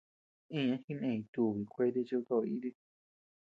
Iñan jineñ tuubi kuete chi kutoʼoo iti.